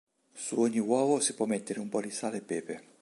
Su ogni uovo si può mettere un po' di sale e pepe.